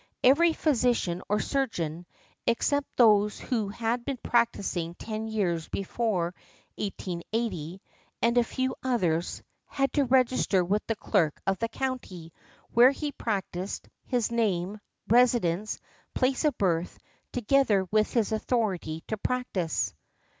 Every physician or surgeon, except those who had been practising ten years before 1880 (and a few others), had to register with the clerk of the county, where he practised, his name, residence, place of birth, together with his authority to practise.